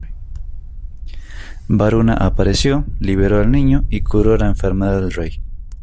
Varuna apareció, liberó al niño y curó la enfermedad del rey.